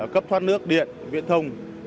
cấp thoát nước điện viện thông